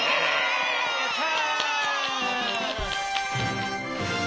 やった！